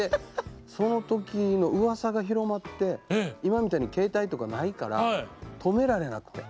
その時の噂が広まって今みたいに携帯とかないから止められなくて。